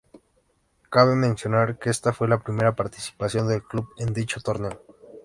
Cabe mencionar que esta fue la primera participación del club en dicho torneo.